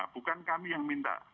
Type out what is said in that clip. bukan kami yang minta